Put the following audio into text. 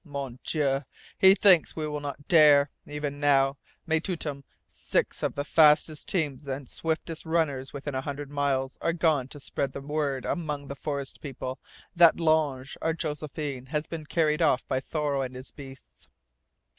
Mon Dieu, he thinks we will not dare! and even now, Netootam, six of the fastest teams and swiftest runners within a hundred miles are gone to spread the word among the forest people that L'Ange, our Josephine, has been carried off by Thoreau and his beasts!